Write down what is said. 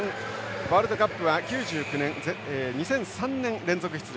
ワールドカップは９９年２００３年連続出場